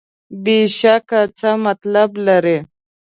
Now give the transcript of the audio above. بېشکه څه مطلب لري.